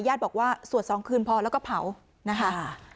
บอกว่าสวด๒คืนพอแล้วก็เผานะคะ